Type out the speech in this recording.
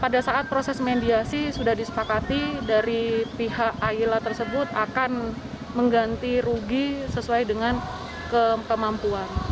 pada saat proses mediasi sudah disepakati dari pihak aila tersebut akan mengganti rugi sesuai dengan kemampuan